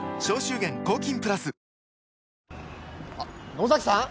野崎さん？